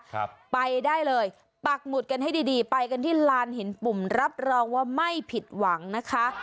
ครับไปได้เลยปักหมุดกันให้ดีดีไปกันที่ลานหินปุ่มรับรองว่าไม่ผิดหวังนะคะ